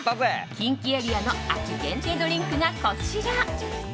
近畿エリアの秋限定ドリンクがこちら。